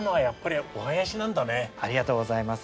ありがとうございます。